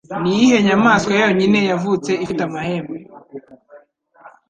Niyihe nyamaswa yonyine yavutse ifite amahembe?